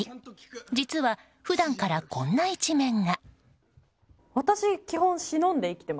実は、普段からこんな一面が。